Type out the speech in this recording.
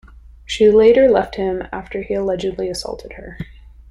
She later left him after he allegedly assaulted her.